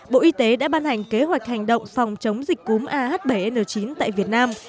bộ y tế đã ban hành kế hoạch hành động phòng chống dịch cúm ah bảy n chín tại việt nam